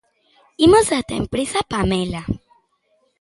Imos ata a empresa, Pamela.